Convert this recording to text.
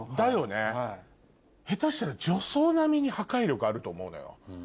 下手したら女装並みに破壊力あると思うのよ。